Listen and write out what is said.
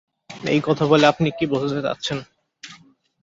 এই কথা বলে আপনি কী বোঝাতে চাচ্ছেন?